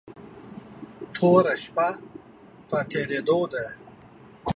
نوره شپه په تېرېدو ده.